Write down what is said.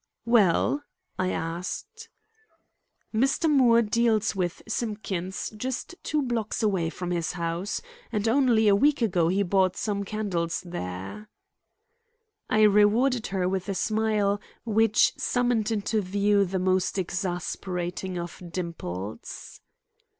"Well?" I asked. "Mr. Moore deals with Simpkins, just two blocks away from his house; and only a week ago he bought some candles there." I rewarded her with a smile which summoned into view the most exasperating of dimples.